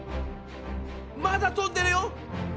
まだ飛んでるよ！